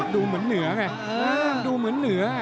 ดูเหมือนเหนือไงดูเหมือนเหนือ